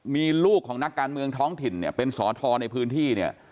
มีลูกของนักการเมืองท้องถิ่นเนี่ยเป็นสอทรในพื้นที่เนี่ย